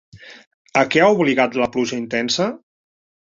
A què ha obligat la pluja intensa?